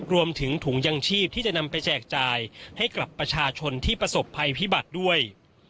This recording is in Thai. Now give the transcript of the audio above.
รวมถึงถุงยังชีพที่จะนำไปแจกจ่ายให้กับประชาชนที่ประสบภัยพิบัติด้วย